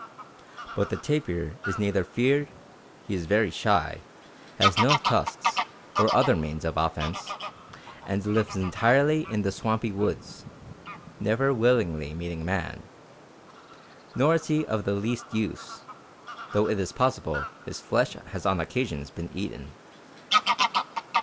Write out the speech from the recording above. But the tapir is neither feared (he is very shy, has no tusks or other means of offence, and lives entirely in the swampy woods, never willingly meeting man); nor is he of the least use, though it is possible his flesh has on occasions been eaten.